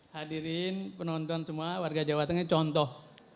hadirin penonton semua warga jawa tengah contoh